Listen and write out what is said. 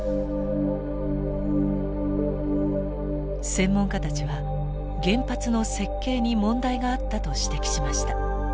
専門家たちは原発の設計に問題があったと指摘しました。